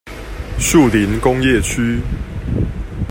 樹林工業區